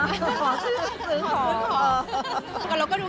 ตอนนี้ติดตามเกินไปอะไรอย่างนี้ค่ะ